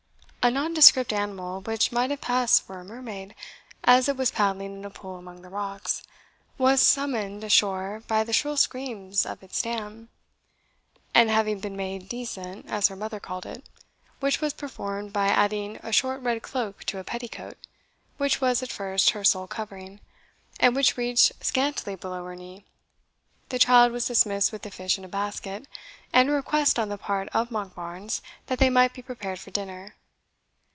A nondescript animal, which might have passed for a mermaid, as it was paddling in a pool among the rocks, was summoned ashore by the shrill screams of its dam; and having been made decent, as her mother called it, which was performed by adding a short red cloak to a petticoat, which was at first her sole covering, and which reached scantily below her knee, the child was dismissed with the fish in a basket, and a request on the part of Monkbarns that they might be prepared for dinner.